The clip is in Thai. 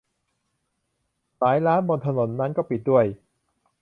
หลายร้านบนถนนนั้นก็ปิดด้วย